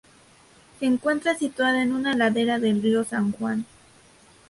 Se encuentra situada en una ladera del río San Juan.